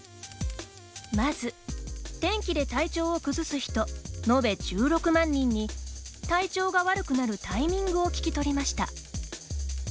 まず、天気で体調を崩す人延べ１６万人に体調が悪くなるタイミングを聞き取りました。